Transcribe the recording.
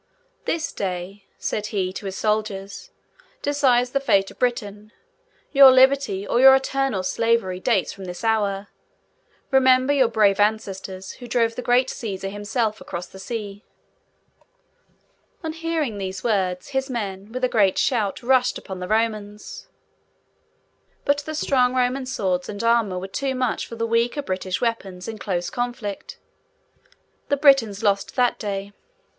'This day,' said he to his soldiers, 'decides the fate of Britain! Your liberty, or your eternal slavery, dates from this hour. Remember your brave ancestors, who drove the great Cæsar himself across the sea!' On hearing these words, his men, with a great shout, rushed upon the Romans. But the strong Roman swords and armour were too much for the weaker British weapons in close conflict. The Britons lost the day.